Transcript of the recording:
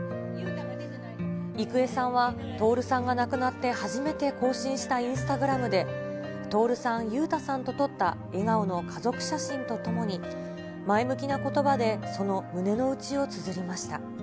郁恵さんは、徹さんが亡くなって初めて更新したインスタグラムで、徹さん、裕太さんと撮った笑顔の家族写真とともに、前向きなことばで、その胸の内をつづりました。